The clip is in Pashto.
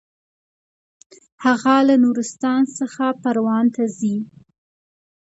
هغه له نورستان څخه پروان ته ځي.